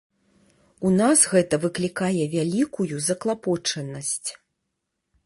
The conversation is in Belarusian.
У нас гэта выклікае вялікую заклапочанасць.